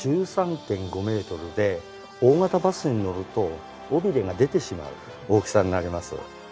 １３．５メートルで大型バスに乗ると尾びれが出てしまう大きさになります。